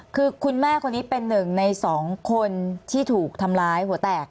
คือคุณแม่คนนี้เป็นหนึ่งในสองคนที่ถูกทำร้ายหัวแตก